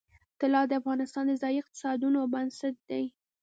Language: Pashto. طلا د افغانستان د ځایي اقتصادونو بنسټ دی.